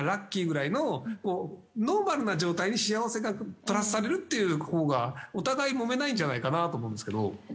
ノーマルな状態に幸せがプラスされるっていう方がお互いもめないんじゃないかなと思うんですけど。